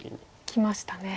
きましたね。